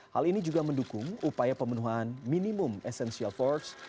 hal ini juga mendukung upaya pemenuhan minimum essential force